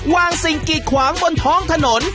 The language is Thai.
สิ่งกีดขวางบนท้องถนน